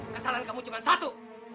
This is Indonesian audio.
kesalahan kamu cuma satu